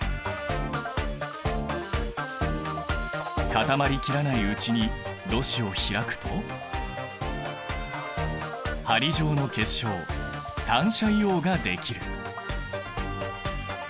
固まりきらないうちにろ紙を開くと針状の結晶単斜硫黄ができる。